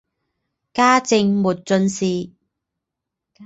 嘉靖末进士。